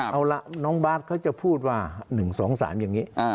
เอาละน้องบาทเขาจะพูดว่า๑๒๓อย่างนี้